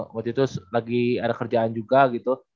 waktu itu lagi ada kerjaan juga gitu